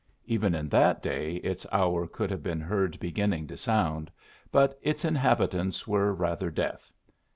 Even in that day its hour could have been heard beginning to sound, but its inhabitants were rather deaf.